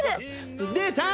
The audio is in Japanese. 出た！